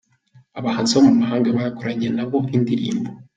Abahanzi bo mu mahanga bakoranye na bo indirimbo .